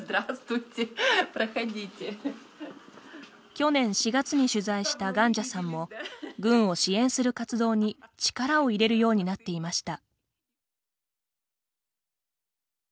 去年４月に取材したガンジャさんも軍を支援する活動に力を入れるようになっていました。